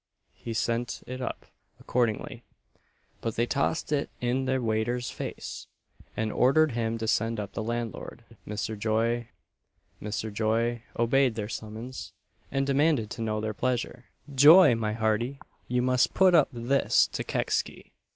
He sent it up accordingly; but they tossed it in the waiter's face, and ordered him to send up the landlord, Mr. Joy. Mr. Joy obeyed their summons, and demanded to know their pleasure. "Joy, my hearty! you must put up this to Kecksy.